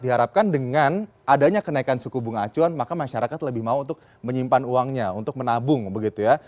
diharapkan dengan adanya kenaikan suku bunga acuan maka masyarakat lebih mau untuk menyimpan uangnya untuk menabung begitu ya